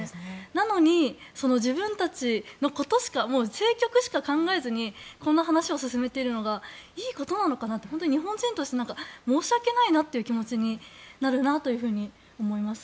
なのに、自分たちのことしかもう政局しか考えずにこんな話を進めているのがいいことなのかなって日本人として申し訳ない気になるなと思います。